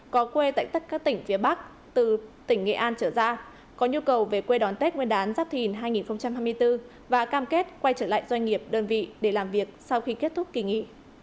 có quê tại tất các tỉnh phía bắc từ tỉnh nghệ an trở ra có nhu cầu về quê đón tết nguyên đán giáp thìn hai nghìn hai mươi bốn và cam kết quay trở lại doanh nghiệp đơn vị để làm việc sau khi kết thúc kỳ nghị